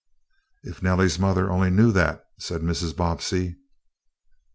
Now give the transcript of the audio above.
"If Nellie's mother only knew that," said Mrs. Bobbsey.